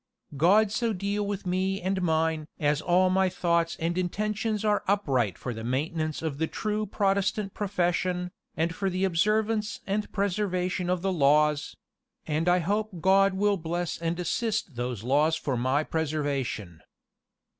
"God so deal with me and mine as all my thoughts and intentions are upright for the maintenance of the true Protestant profession, and for the observance and preservation of the laws; and I hope God will bless and assist those laws for my preservation."